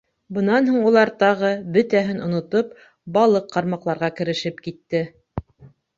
Бынан һуң улар тағы, бөтәһен онотоп, балыҡ ҡармаҡларға керешеп китте.